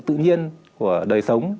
tự nhiên của đời sống